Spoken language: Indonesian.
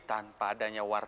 tanpa adanya warteg